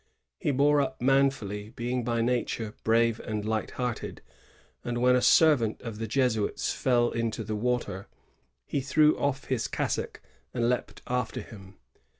He bore up manfully, being by nature brave and light hearted; and when a servant of the Jesuits fell into the water, he threw off his cassock and leaped after him.